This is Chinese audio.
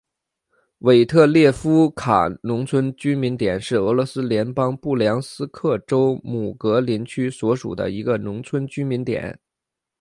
韦特列夫卡农村居民点是俄罗斯联邦布良斯克州姆格林区所属的一个农村居民点。